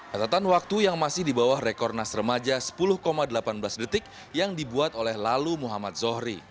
catatan waktu yang masih di bawah rekor nas remaja sepuluh delapan belas detik yang dibuat oleh lalu muhammad zohri